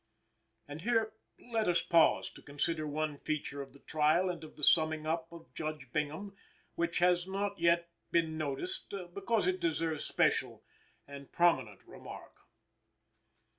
And here let us pause to consider one feature of the trial and of the summing up of Judge Bingham, which has not yet been noticed because it deserves special and prominent remark.